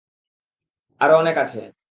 আরও অনেক আছে!